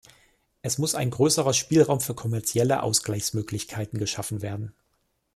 Es muss ein größerer Spielraum für kommerzielle Ausgleichsmöglichkeiten geschaffen werden.